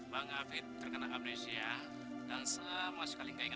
bang bisa kawin sama dinda benda gimana ceritainya